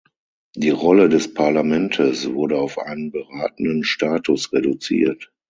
Die Rolle des Parlamentes wurde auf einen beratenden Status reduziert.